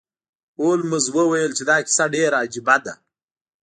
هولمز وویل چې دا کیسه ډیره عجیبه ده.